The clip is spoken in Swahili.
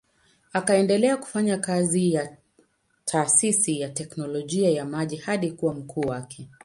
Akaendelea kufanya kazi ya taasisi ya teknolojia ya maji hadi kuwa mkuu wake.